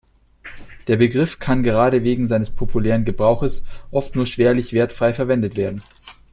Der Begriff kann gerade wegen seines populären Gebrauches oft nur schwerlich wertfrei verwendet werden.